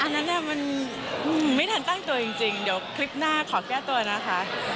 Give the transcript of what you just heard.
อันนั้นมันไม่ทันตั้งตัวจริงเดี๋ยวคลิปหน้าขอแก้ตัวนะคะ